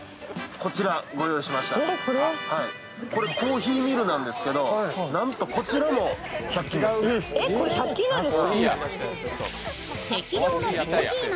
こちらコーヒーミルなんですけどなんとこちらも１００均です。